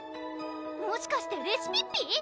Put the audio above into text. もしかしてレシピッピ？